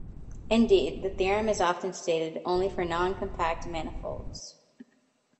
Indeed, the theorem is often stated only for non-compact manifolds.